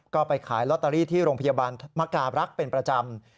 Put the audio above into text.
ก็ไปขายลอตเตอรี่ที่โรงพยาบาลมกาบรักษ์เป็นประจำ